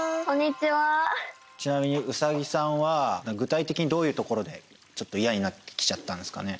ちなみにうさぎさんは具体的にどういうところでちょっといやになってきちゃったんすかね？